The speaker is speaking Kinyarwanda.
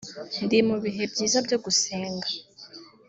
ndi mu bihe byiza byo gusenga